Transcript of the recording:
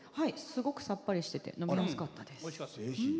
すごくさっぱりしてて飲みやすかったです。